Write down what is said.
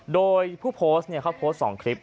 โดยผู้โพสต์เขาโพสต์๒คลิป